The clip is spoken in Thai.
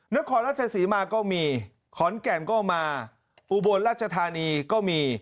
นครราชศรีมาก็มีขอนแก่นก็มาอุบลรัชธานีก็มี